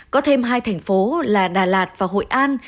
có thêm hai thành phố là đà lạt và hội an